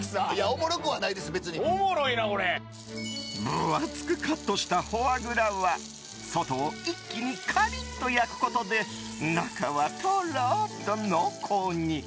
分厚くカットしたフォアグラは外を一気にカリッと焼くことで中は、とろっと濃厚に。